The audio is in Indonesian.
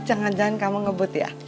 jangan jangan kamu ngebut ya